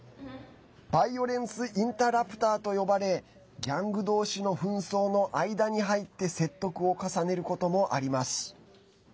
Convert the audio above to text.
バイオレンスインターラプターと呼ばれギャングどうしの紛争の間に入って説得を重ねることもあります。